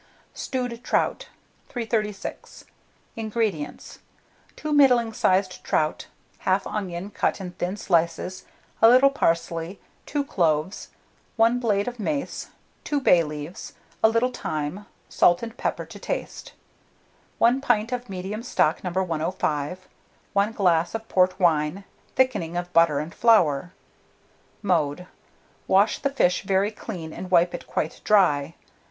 STEWED TROUT. 336. INGREDIENTS. 2 middling sized trout, 1/2 onion cut in thin slices, a little parsley, 2 cloves, 1 blade of mace, 2 bay leaves, a little thyme, salt and pepper to taste, 1 pint of medium stock No. 105, 1 glass of port wine, thickening of butter and flour. Mode. Wash the fish very clean, and wipe it quite dry.